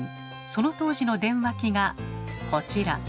その当時の電話機がこちら。